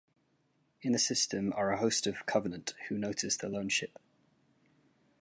In the system are a host of Covenant, who notice the lone ship.